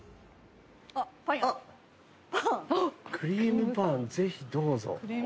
「クリームパンぜひどうぞ」